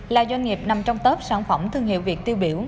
là doanh nghiệp nằm trong tớp sản phẩm thương hiệu việt tiêu biểu